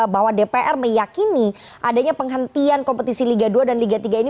bahwa dpr meyakini adanya penghentian kompetisi liga dua dan liga tiga ini